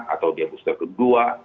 atau dia booster kedua